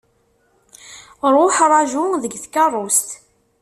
Ṛuḥ ṛaju deg tkeṛṛust.